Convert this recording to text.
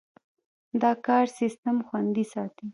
دا کار سیستم خوندي ساتي.